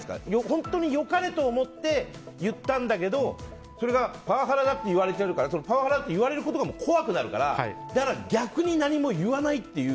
本当に良かれと思っていったんだけどそれがパワハラだって言われてるからパワハラって言われることが怖くなるからだから逆に何も言わないっていう。